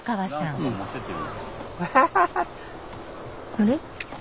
あれ？